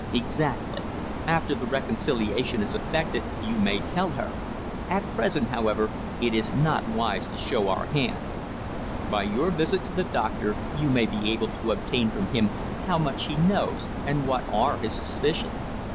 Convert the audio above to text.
"Exactly. After the reconciliation is effected you may tell her. At present, however, it is not wise to show our hand. By your visit to the doctor you may be able to obtain from him how much he knows, and what are his suspicions.